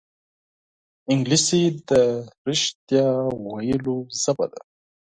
انګلیسي د رښتیا ویلو ژبه ده